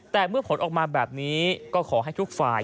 แต่เมื่อผลออกมาแบบนี้ก็ขอให้ทุกฝ่าย